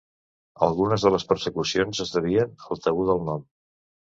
Algunes de les persecucions es devien al tabú del nom.